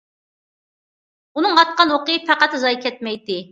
ئۇنىڭ ئاتقان ئوقى پەقەتلا زايە كەتمەيتتى.